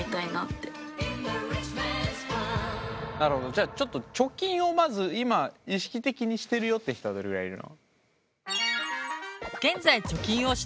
じゃあちょっと貯金をまず今意識的にしてるよって人はどれぐらいいるの？